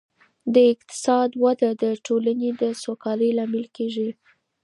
د اقتصاد وده د ټولني د سوکالۍ لامل کيږي.